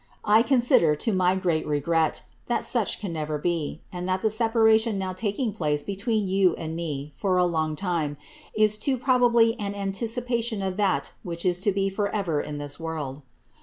I consider, to my great regret, that such can never be, and tliat the separation now taking place between you and me for a long time, is too probably an anticipation of that which is to be for ever in this world.